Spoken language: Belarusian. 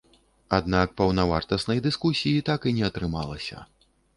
Аднак паўнавартаснай дыскусіі так і не атрымалася.